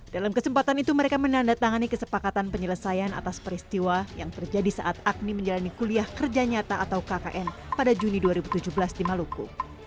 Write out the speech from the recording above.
dalam kesempatan itu mereka menandatangani kesepakatan penyelesaian atas peristiwa yang terjadi saat agni menjalani kuliah kerja nyata atau kkn pada juni dua ribu tujuh belas di maluku